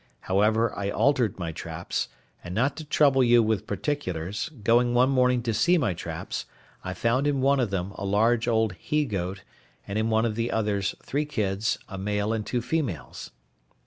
However, I altered my traps; and not to trouble you with particulars, going one morning to see my traps, I found in one of them a large old he goat; and in one of the others three kids, a male and two females.